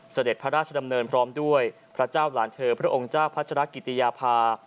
เสด็จพระราชดำเนินพร้อมด้วยพระเจ้าหลานเธอพระองค์เจ้าพัชรกิติยาภา